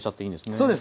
そうですね。